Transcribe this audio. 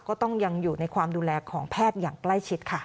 ก็ยังอยู่ในความดูแลของแพทย์อย่างใกล้ชิดค่ะ